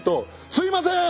すいません！